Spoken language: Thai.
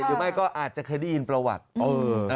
หรือไม่ก็อาจจะเคยได้ยินประวัติอืมเออเออ